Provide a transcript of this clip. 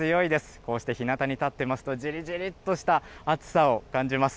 こうしてひなたに立ってますと、じりじりとした暑さを感じます。